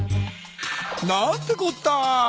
なんてこった！